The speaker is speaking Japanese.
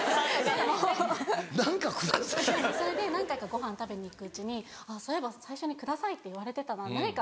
それで何回かごはん食べに行くうちにそういえば最初に「下さい」って言われてたな。